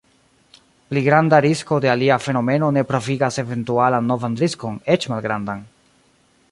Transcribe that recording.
Pli granda risko de alia fenomeno ne pravigas eventualan novan riskon eĉ malgrandan.